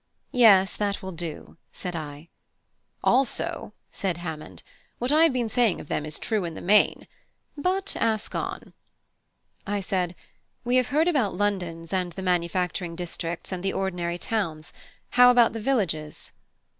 '" "Yes, that will do," said I. "Also," said Hammond, "what I have been saying of them is true in the main. But ask on!" I said: "We have heard about London and the manufacturing districts and the ordinary towns: how about the villages?"